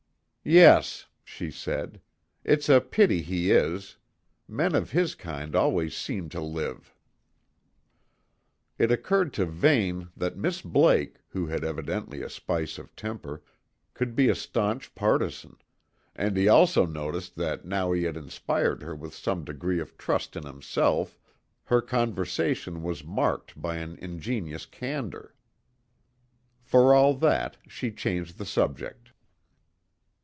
"Yes," she said. "It's a pity he is. Men of his kind always seem to live." It occurred to Vane, that Miss Blake, who had evidently a spice of temper, could be a staunch partisan; and he also noticed that now he had inspired her with some degree of trust in himself, her conversation was marked by an ingenious candour. For all that, she changed the subject.